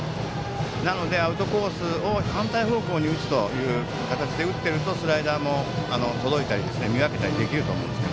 なのでアウトコースを反対方向に打つ形で打っていくとスライダーも届いたり見分けたりできると思うんですが。